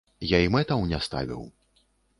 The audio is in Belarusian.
Я і мэтаў не ставіў.